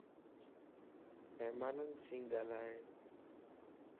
مھمانين سين ڳالھائي